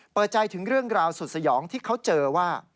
เปิดใจถึงเรื่องราวสุดสยองที่เขาเจอว่า